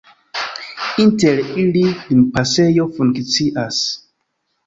Inter ili limpasejo funkcias.